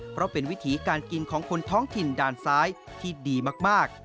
เพราะเป็นวิถีการกินของคนท้องถิ่นด้านซ้ายที่ดีมาก